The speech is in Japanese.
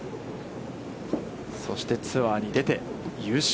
そしてツアーに出て、優勝。